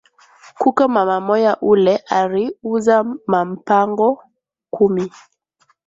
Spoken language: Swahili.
Kuko mama moya ule ari uza ma mpango kumi